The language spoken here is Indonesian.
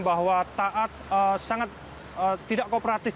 bahwa taat sangat tidak kooperatif